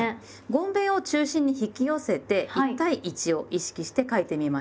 ごんべんを中心に引き寄せて１対１を意識して書いてみましょう。